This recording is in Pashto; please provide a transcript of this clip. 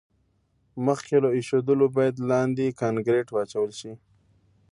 مخکې له ایښودلو باید لاندې کانکریټ واچول شي